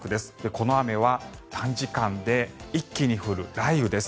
この雨は短時間で一気に降る雷雨です。